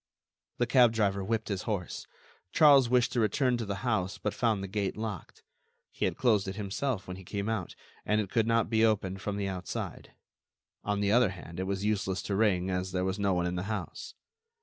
The cab driver whipped his horse. Charles wished to return to the house, but found the gate locked. He had closed it himself when he came out, and it could not be opened from the outside. On the other hand, it was useless to ring, as there was no one in the house.